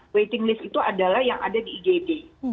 waiting list itu adalah yang ada di igd